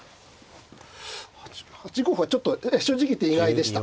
８五歩はちょっと正直言って意外でした。